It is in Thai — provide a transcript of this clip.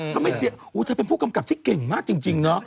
ทำให้เสียงโอ้แทนเป็นผู้กำกับที่เก่งมากจริงเนอะ